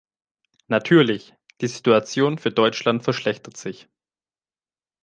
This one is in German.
Natürlich, die Situation für Deutschland verschlechtert sich.